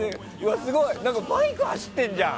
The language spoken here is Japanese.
すごい、バイク走ってるじゃん。